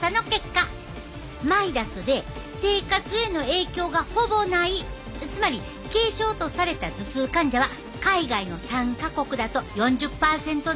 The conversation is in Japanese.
マイダスで生活への影響がほぼないつまり軽症とされた頭痛患者は海外の３か国だと４０％前後。